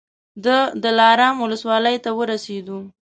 د دلارام ولسوالۍ ته ورسېدو.